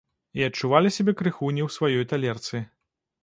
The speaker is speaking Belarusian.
І адчувалі сябе крыху не ў сваёй талерцы.